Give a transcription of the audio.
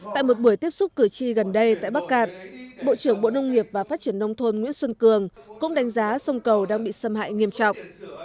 tại một buổi tiếp xúc cử tri gần đây tại bắc cạn bộ trưởng bộ nông nghiệp và phát triển nông thôn nguyễn xuân cường cũng đánh giá sông cầu đang bị xâm hại nghiêm trọng